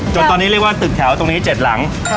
จนตอนนี้เรียกว่าตึกแถวตรงนี้๗หลัง